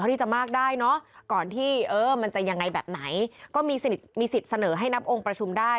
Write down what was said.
ให้มาย้อกออนที่เออมันจะอย่างไรแบบไหนก็มีสิทธิ์มีสิทธิ์เสนอให้นับองค์ประชุมได้